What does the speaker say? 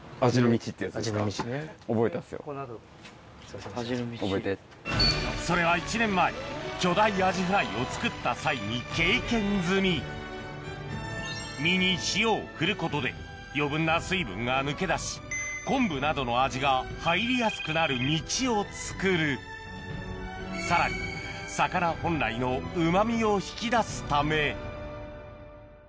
まずはそれは１年前巨大アジフライを作った際に経験済み身に塩を振ることで余分な水分が抜け出し昆布などの味が入りやすくなる道を作るさらにそうそうそう。